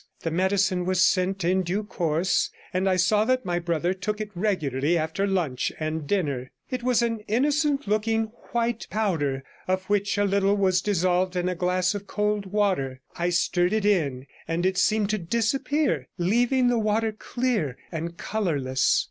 The medicine was sent in due course, and I saw that my brother took it regularly after lunch and dinner. It was an innocent looking white powder, of which a little was dissolved in a glass of cold water; I stirred it in, and it seemed to disappear, leaving the water clear and colourless.